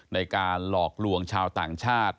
ในการหลอกลวงชาวต่างชาติ